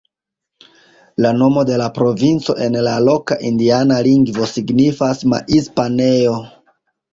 La nomo de la provinco en la loka indiana lingvo signifas "maiz-panejo".